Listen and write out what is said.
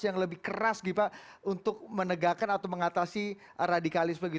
yang lebih keras untuk menegakkan atau mengatasi radikalisme